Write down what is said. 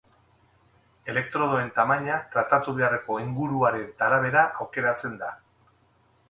Elektrodoen tamaina tratatu beharreko inguruaren arabera aukeratzen da.